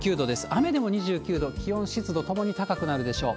雨でも２９度、気温、湿度ともに高くなるでしょう。